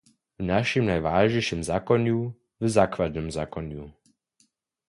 W našim najwažnišim zakonju, w zakładnym zakonju.